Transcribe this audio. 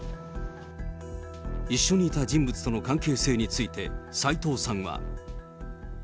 一緒にいた人物との関係性について、齊藤さんは。